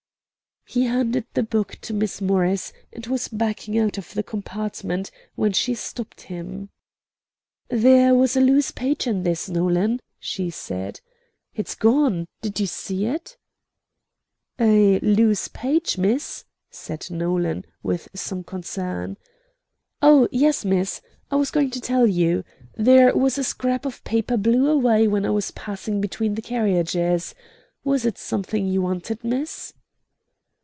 He handed the book to Miss Morris, and was backing out of the compartment, when she stopped him. "There was a loose page in this, Nolan," she said. "It's gone; did you see it?" "A loose page, miss?" said Nolan, with some concern. "Oh, yes, miss; I was going to tell you; there was a scrap of paper blew away when I was passing between the carriages. Was it something you wanted, miss?"